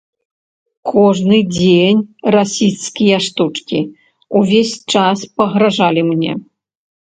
Кожны дзень расісцкія штучкі, увесь час пагражалі мне.